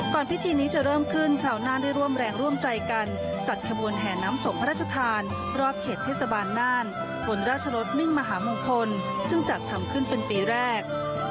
พิธีนี้จะเริ่มขึ้นชาวน่านได้ร่วมแรงร่วมใจกันจัดขบวนแห่น้ำศพพระราชทานรอบเขตเทศบาลน่านบนราชรสมิ่งมหามงคลซึ่งจัดทำขึ้นเป็นปีแรก